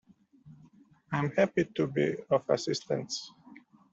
I am happy to be of assistance